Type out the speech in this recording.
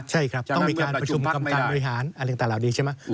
ใช่ครับต้องมีการประชุมกรรมการบริหารอะไรต่างเหล่านี้ใช่ไหม